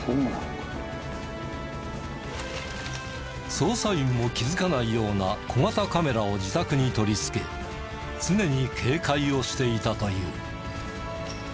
捜査員も気づかないような小型カメラを自宅に取りつけ常に警戒をしていたという。